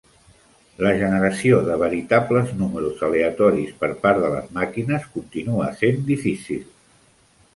La generació de veritables números aleatoris per part de les màquines continua sent difícil.